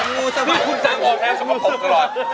มูสวัสดิ์คุณสร้างโอเทพสมภพก็รอด